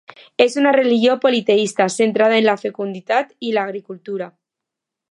És una religió politeista centrada en la fecunditat i l'agricultura.